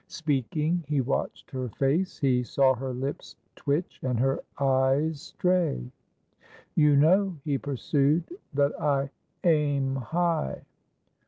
Speaking, he watched her face. He saw her lips twitch, and her eyes stray. "You know," he pursued, "that I aim high."